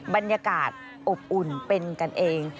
บรรยากาศอบอุ่นเป็นกันเอง